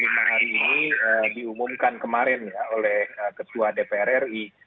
jika keputusan tujuh puluh lima hari ini diumumkan kemarin oleh ketua dpr ri